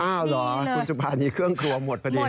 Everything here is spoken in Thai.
เหรอคุณสุภานีเครื่องครัวหมดพอดี